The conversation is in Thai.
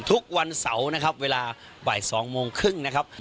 ทุกวันเสาร์นะครับเวลาบ่าย๒โมงครึ่งนะครับ